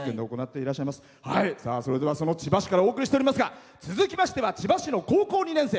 それではその千葉市からお送りしておりますが続きましては千葉市の高校２年生。